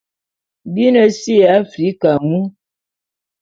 Be ne si ya Africa mu.